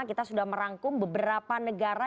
kita sudah merangkum beberapa negara